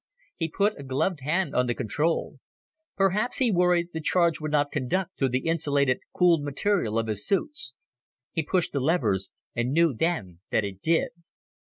He put a gloved hand on the control. Perhaps, he worried, the charge would not conduct through the insulated, cooled material of his suit. He pushed the levers, and knew then that it did.